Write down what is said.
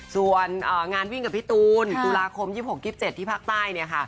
ส่วนงานวิ่งกับพี่ตูนตุลาคม๒๖๒๗ที่ภาคใต้เนี่ยค่ะ